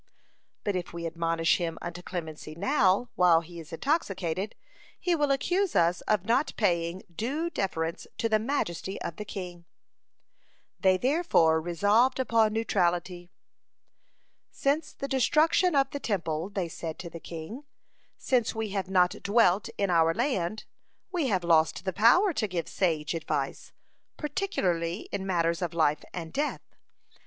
But if we admonish him unto clemency now, while he is intoxicated, he will accuse us of not paying due deference to the majesty of the king. They therefore resolved upon neutrality. "Since the destruction of the Temple," they said to the king, "since we have not dwelt in our land, we have lost the power to give sage advice, particularly in matters of life and death.